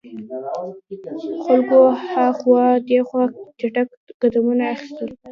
خلکو هاخوا دیخوا چټګ قدمونه اخیستل.